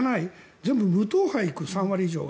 全部無党派へ行く、３割以上が。